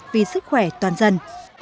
vì sức khỏe toàn dân